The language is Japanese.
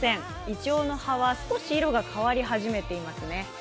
いちょうの葉は少し色が変わり始めていますね。